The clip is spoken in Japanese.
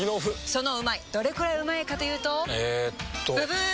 そのうまいどれくらいうまいかというとえっとブブー！